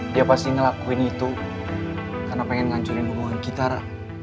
dia pasti ngelakuin itu karena pengen ngancurin hubungan gitar